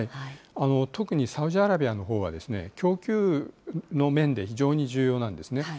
特にサウジアラビアのほうはですね、供給の面で非常に重要なんですね。